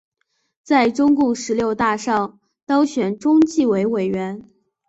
在中共十六大上当选中纪委委员。